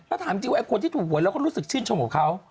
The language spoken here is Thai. แล้วถามจริงว่าคนที่ถูกหวยเราก็รู้สึกชื่นชมของเขา